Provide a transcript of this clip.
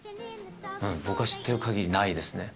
僕が知ってる限りないですね。